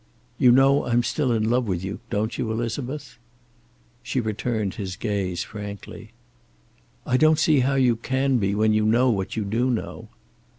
"You know I'm still in love with you, don't you, Elizabeth?" She returned his gaze frankly. "I don't see how you can be when you know what you do know."